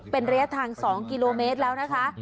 เป็นระยะทาง๒กิโลเมตรแล้วนะคะ